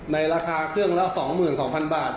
ในราคาเครื่องละ๒๒๐๐๐บาท